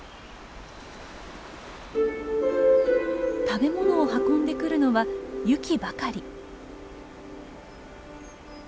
食べ物を運んでくるのはユキばかり。